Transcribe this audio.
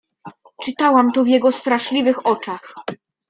"Czytałam to w jego straszliwych oczach."